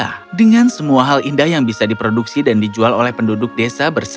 ya dengan semua hal indah yang bisa diproduksi dan dijual oleh penduduk desa bersama sama dengan chat kita